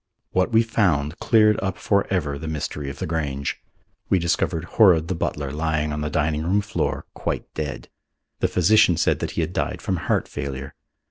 What we found cleared up for ever the mystery of the Grange. We discovered Horrod the butler lying on the dining room floor quite dead. The physician said that he had died from heart failure.